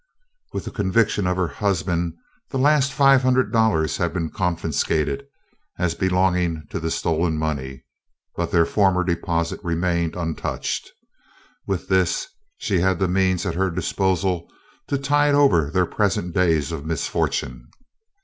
With the conviction of her husband the last five hundred dollars had been confiscated as belonging to the stolen money, but their former deposit remained untouched. With this she had the means at her disposal to tide over their present days of misfortune.